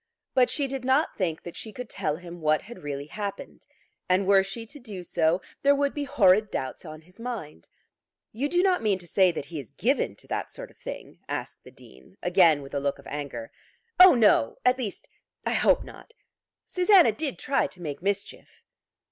But she did not think that she could tell him what had really happened; and were she to do so, there would be horrid doubts on his mind. "You do not mean to say that he is given to that sort of thing?" asked the Dean, again with a look of anger. "Oh no, at least I hope not. Susanna did try to make mischief."